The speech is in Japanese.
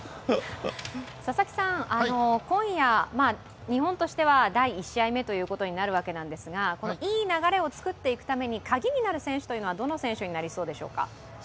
今夜、日本としては第１試合目ということになるんですがいい流れを作っていくために、カギになる選手はどの選手でしょうか？